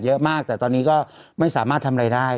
เยอะมากแต่ตอนนี้ก็ไม่สามารถทำอะไรได้